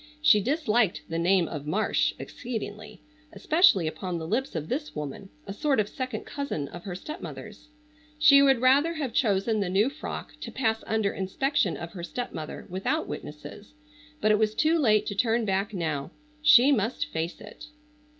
She disliked the name of "Marsh" exceedingly, especially upon the lips of this woman, a sort of second cousin of her stepmother's. She would rather have chosen the new frock to pass under inspection of her stepmother without witnesses, but it was too late to turn back now. She must face it.